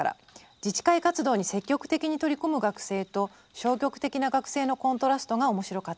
「自治会活動に積極的に取り組む学生と消極的な学生のコントラストが面白かったです。